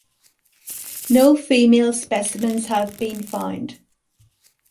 No female specimens have been found.